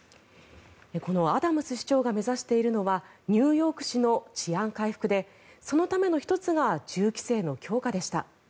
このアダムス市長が目指しているのはニューヨーク市の治安回復でそのための１つが銃規制の強化でした。